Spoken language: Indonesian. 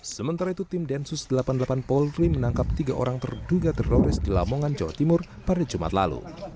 sementara itu tim densus delapan puluh delapan polri menangkap tiga orang terduga teroris di lamongan jawa timur pada jumat lalu